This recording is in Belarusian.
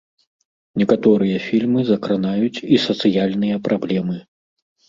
Некаторыя фільмы закранаюць і сацыяльныя праблемы.